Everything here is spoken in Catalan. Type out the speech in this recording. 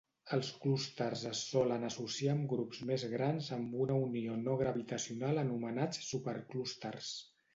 Els clústers es solen associar amb grups més grans amb una unió no gravitacional anomenats superclústers.